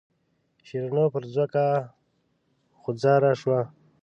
شیرینو پر ځمکه غوځاره شوه.